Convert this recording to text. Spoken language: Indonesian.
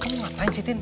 kamu ngapain sih tin